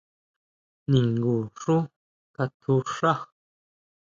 ¿Ningu xu katjuʼxaá?